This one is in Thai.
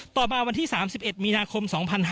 ต่อมาวันที่๓๑มีนาคม๒๕๕๙